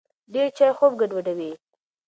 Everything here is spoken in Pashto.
ډېر چای خوب ګډوډوي.